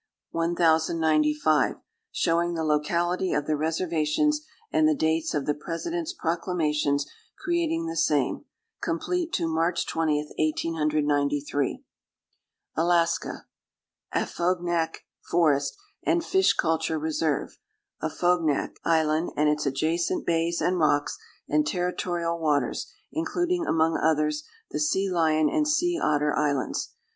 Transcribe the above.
1095) showing the locality of the reservations and the dates of the President's proclamations creating the same. Complete to March 20, 1893._ ALASKA. =Afognak Forest and Fish Culture Reserve.= Afognak Island and its adjacent bays and rocks and territorial waters, including among others the Sea Lion and Sea Otter Islands.